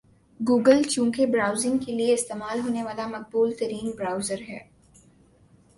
Google چونکہ browsing کے لئے استعمال ہونے والا مقبول ترین برؤزر ہے